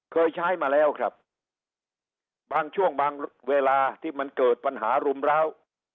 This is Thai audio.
เคยใช้มาแล้วครับบางช่วงบางเวลาที่มันเกิดปัญหารุมร้าว